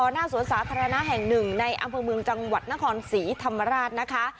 หน้าสวนสาธารณะแห่งหนึ่งในอำเภอเมืองจังหวัดนครศรีธรรมราชนะคะ